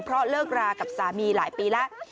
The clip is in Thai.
เพราะเลิกรากับสามีหลายปีแล้ว